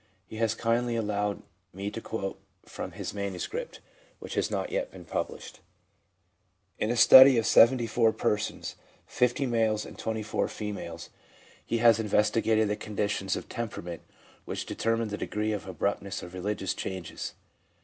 He has kindly allowed me to quote from his manuscript, which has not yet been published. In a study of 74 persons, 50 males and 24 females, he has investigated the conditions of temperament which determine the degree of abruptness of religious changes.